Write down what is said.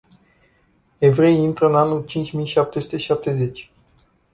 Evreii intră în anul cinci mii șapte sute șaptezeci.